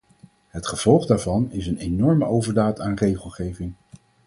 Het gevolg daarvan is een enorme overdaad aan regelgeving.